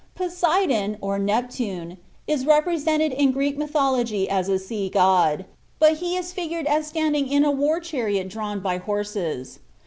Poseidon, or Neptune, is represented in Greek mythology as a sea god; but he is figured as standing in a war chariot drawn by horses.